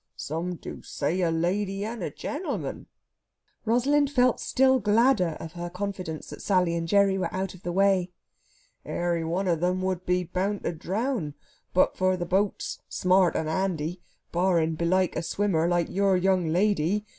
"Some do say a lady and a gentleman." Rosalind felt still gladder of her confidence that Sally and Gerry were out of the way. "'Ary one of 'em would be bound to drown but for the boats smart and handy barring belike a swimmer like your young lady!